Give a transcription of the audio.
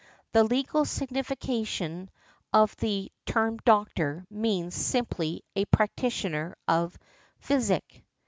The legal signification of the term doctor means simply a practitioner of physic.